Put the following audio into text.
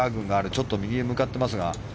ちょっと右へ向かってますが。